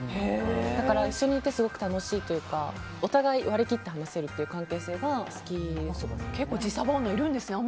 だから一緒にいてすごく楽しいというかお互い割り切って話せる関係性が結構自サバ女いるんですね。